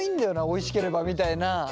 おいしければみたいなところは。